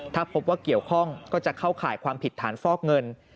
ถ้าพบว่าเกี่ยวข้องก็จะเข้าข่ายความผิดฐานฟอกเงิน